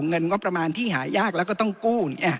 เงินงบประมาณที่หายากแล้วก็ต้องกู้